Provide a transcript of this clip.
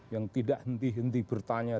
yang tidak henti henti bertanya